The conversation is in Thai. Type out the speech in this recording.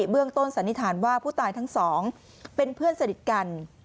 เรื่องต้นสันนิษฐานว่าผู้ตายทั้งสองเป็นเพื่อนสนิทกัน